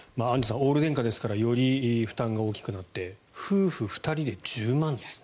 オール電化ですからより負担が大きくなって夫婦２人で１０万円ですって。